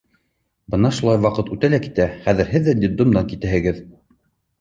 Бына шулай ваҡыт үтә лә китә, хәҙер һеҙ ҙә детдомдан китәһегеҙ.